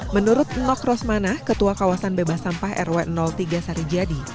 menurut nok rosmana ketua kawasan bebas sampah rw tiga sarijadi